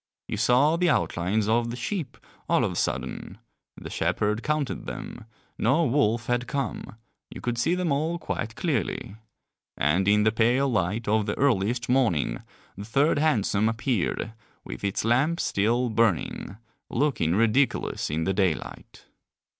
You saw the outlines of the sheep all of a sudden, the shepherd counted them, no wolf had come, you could see them all quite clearly. And in the pale light of the earliest morning the third hansom appeared, with its lamps still burning, looking ridiculous in the daylight.